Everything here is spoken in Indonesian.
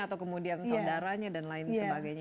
atau kemudian saudaranya dan lain sebagainya